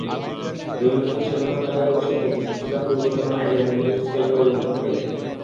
দৈনন্দিন সাধারণ কার্যাবলি সম্পর্কে কিছুটা পূর্বধারণা এদের মজুরির স্কেল পরিবর্তন করে দেয়।